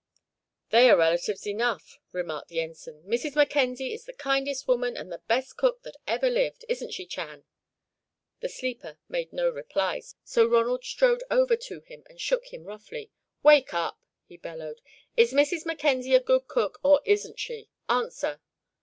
"They are relatives enough," remarked the Ensign. "Mrs. Mackenzie is the kindest woman and the best cook that ever lived, isn't she, Chan?" The sleeper made no reply, so Ronald strode over to him and shook him roughly. "Wake up!" he bellowed. "Is Mrs. Mackenzie a good cook, or isn't she? Answer!"